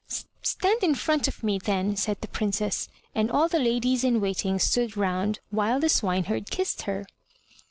"Stand in front of me then," said the Princess, and all the 273 M Y BOOK HOUSE ladies in waiting stood round, while the swineherd kissed her.